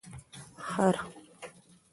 🫏 خر